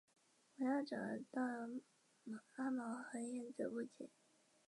但这个记载却与下列朱点人的短篇小说作品有出入。